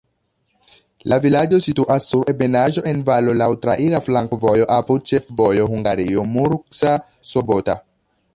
La vilaĝo situas sur ebenaĵo en valo, laŭ traira flankovojo apud ĉefvojo Hungario-Murska Sobota.